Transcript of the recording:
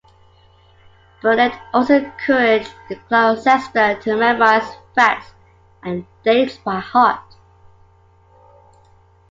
Burnet also encouraged Gloucester to memorise facts and dates by heart.